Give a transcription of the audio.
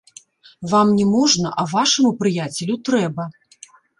Вам не можна, а вашаму прыяцелю трэба!